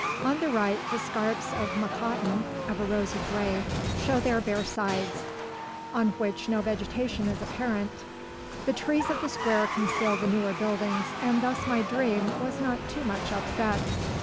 On the right the scarps of Mokattam, of a rosy gray, show their bare sides, on which no vegetation is apparent. The trees of the square conceal the newer buildings, and thus my dream was not too much upset.